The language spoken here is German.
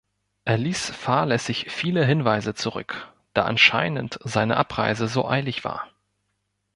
Er ließ fahrlässig viele Hinweise zurück, da anscheinend seine Abreise so eilig war.